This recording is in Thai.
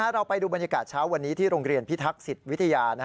เราไปดูบรรยากาศเช้าวันนี้ที่โรงเรียนพิทักษิตวิทยา